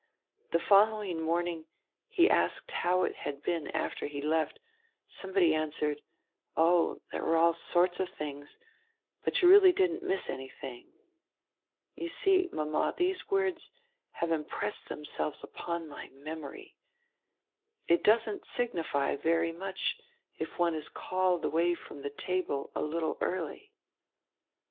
The following morn ing he asked how it had been after he left. Somebody answered: 'Oh, there were all sorts of things, but you really didn't miss anything.' You see, mama, these words have impressed themselves upon my memory — It doesn't signify very much if one is called away from the table a little early."